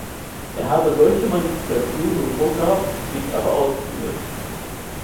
Er habe solche Manipulationen nur vorgehabt, nicht aber ausgeführt.